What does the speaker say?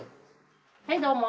はいどうも。